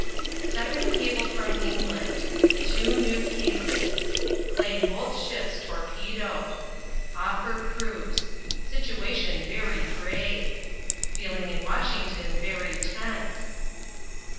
Second Cable from England. The Two New Cases. Claim both ships torpedoed. Offer proofs. Situation very grave. Feeling in Washington very tense.